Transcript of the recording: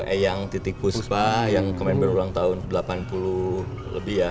eyang titi kuspa yang komen berulang tahun delapan puluh lebih ya